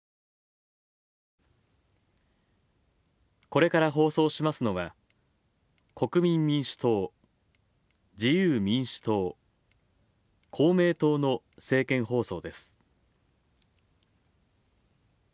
これから放送しますのは、国民民主党自由民主党公明党の政見放送です。